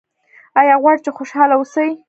ایا غواړئ چې خوشحاله اوسئ؟